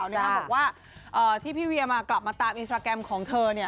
บอกว่าที่พี่เวียมากลับมาตามอินสตราแกรมของเธอ